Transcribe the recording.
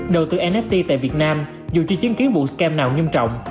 đầu tư nft tại việt nam dù chưa chứng kiến vụ scan nào nghiêm trọng